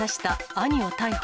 兄を逮捕。